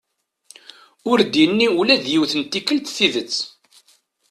Ur d-yenni ula d yiwet n tikkelt tidet.